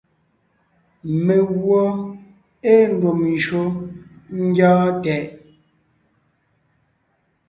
Meguɔ ée ndùm njÿó ńgyɔ́ɔn tɛʼ.